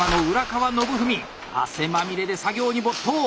汗まみれで作業に没頭。